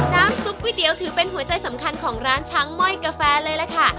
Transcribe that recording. น้ำซุปก๋วยเตี๋ยวถือเป็นหัวใจสำคัญของร้านช้างม่อยกาแฟเลยล่ะค่ะ